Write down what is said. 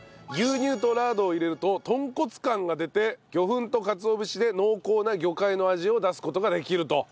牛乳とラードを入れると豚骨感が出て魚粉とかつお節で濃厚な魚介の味を出す事ができると。